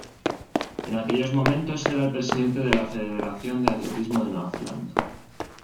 En aquellos momentos era el presidente de la Federación de Atletismo de Nueva Zelanda.